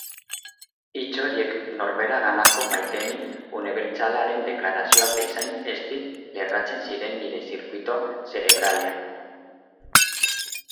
Hitz horiek norberaganako maitemin unibertsalaren deklarazioa bezain ezti lerratzen ziren nire zirkuito zerebralean.